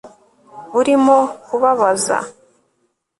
urimo kubabaza